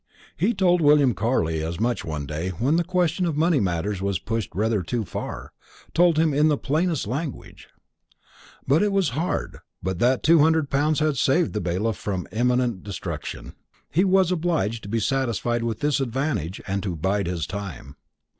He told William Carley as much one day when the question of money matters was pushed rather too far told him in the plainest language. This was hard; but that two hundred pounds had saved the bailiff from imminent destruction. He was obliged to be satisfied with this advantage, and to bide his time.